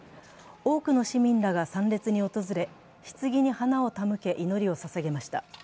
多くの市民らが参列に訪れひつぎに花を手向け祈りをささげました。